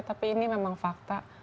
tapi ini memang fakta